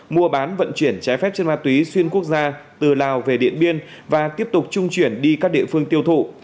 mua bán vận chuyển trái phép trên ma túy xuyên quốc gia từ lào về điện biên và tiếp tục trung chuyển đi các địa phương tiêu thụ